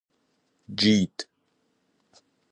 جید